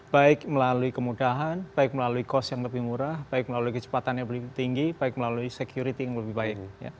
baik melalui kemudahan baik melalui cost yang lebih murah baik melalui kecepatan yang lebih tinggi baik melalui security yang lebih baik